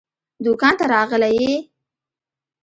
دوکان ته راغلی يې؟